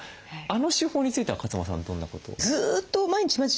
あの手法については勝間さんはどんなことを？